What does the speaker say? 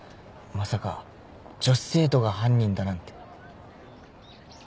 まさか女子生徒が犯人だなんて。